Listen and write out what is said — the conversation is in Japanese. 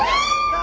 何？